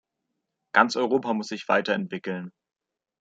Ganz Europa muss sich weiterentwickeln.